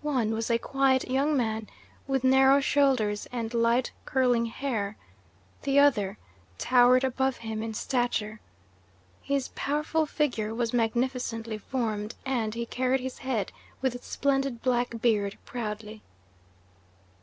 "One was a quiet young man, with narrow shoulders and light, curling hair; the other towered above him in stature. His powerful figure was magnificently formed, and he carried his head with its splendid black beard proudly.